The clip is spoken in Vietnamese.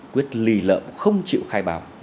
quyết lì lợm không chịu khai bào